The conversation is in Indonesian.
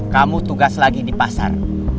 kamu tugas lagi di pasar